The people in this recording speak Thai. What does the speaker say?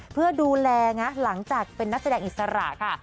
เพื่อดูแลนะหลังจากเป็นนักแสดงอิสระค่ะ